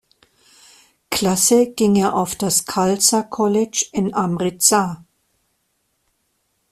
Klasse ging er auf das Khalsa College in Amritsar.